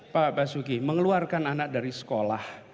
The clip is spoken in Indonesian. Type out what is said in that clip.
pak basuki mengeluarkan anak dari sekolah